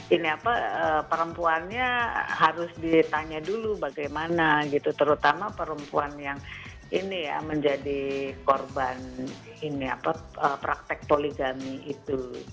ini apa perempuannya harus ditanya dulu bagaimana gitu terutama perempuan yang ini ya menjadi korban praktek poligami itu